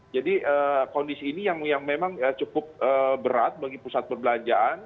jadi kondisi ini yang memang cukup berat bagi pusat pembelanjaan